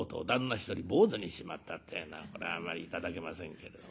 一人坊主にしちまったってえのはこれはあまり頂けませんけれども。